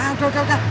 udah udah udah